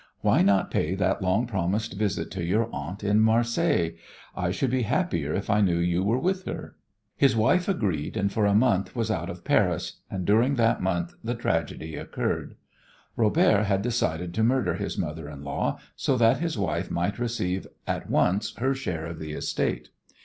Why not pay that long promised visit to your aunt in Marseilles? I should be happier if I knew you were with her." His wife agreed, and for a month was out of Paris, and during that month the tragedy occurred. Robert had decided to murder his mother in law so that his wife might receive at once her share of the estate.